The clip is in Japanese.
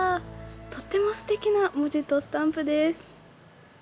とってもすてきな文字とスタンプです。